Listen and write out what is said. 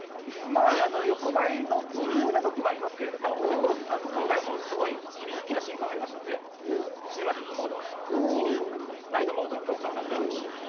横ばいな時もありますけれども今回は大きな進化がありましたので、シネマティックモード、ナイトモードの強化など。